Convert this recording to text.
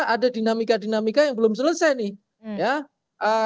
ada dinamika dinamika yang belum selesai nih